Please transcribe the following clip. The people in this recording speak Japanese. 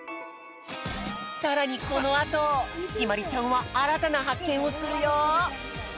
さらにこのあとひまりちゃんはあらたなはっけんをするよ！